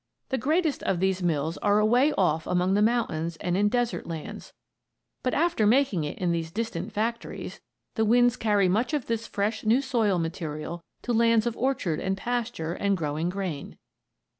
The greatest of these mills are away off among the mountains and in desert lands, but after making it in these distant factories the winds carry much of this fresh new soil material to lands of orchard and pasture and growing grain.